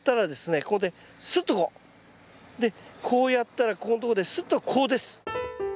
でこうやったらここんとこですっとこうです。